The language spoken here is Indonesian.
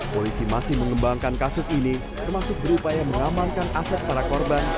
polisi masih mengembangkan kasus ini termasuk berupaya mengamankan aset para korban